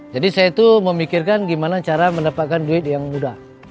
jadi saya itu memikirkan gimana cara mendapatkan duit yang mudah